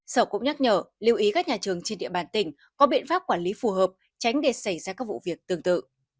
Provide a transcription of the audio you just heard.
sở cũng nhắc nhở lưu ý các nhà trường trên địa bàn tỉnh có biện pháp quản lý phù hợp tránh để xảy ra các vụ việc tương tự